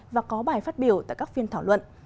và có bài phát biểu tại các phiên thảo luận